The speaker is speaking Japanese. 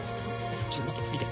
ちょっと見て見て。